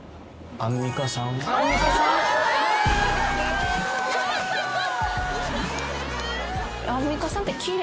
アンミカさんって。